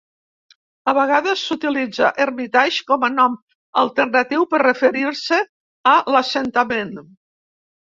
A vegades s'utilitza Hermitage com a nom alternatiu per referir-se a l'assentament.